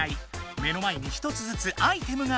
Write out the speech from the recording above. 目の前に１つずつアイテムがある。